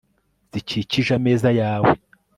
zikikije ameza yawe